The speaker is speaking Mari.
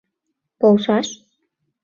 — Полшаш.